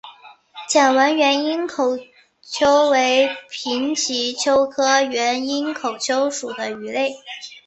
线纹原缨口鳅为平鳍鳅科原缨口鳅属的鱼类。